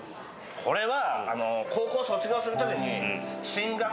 これは。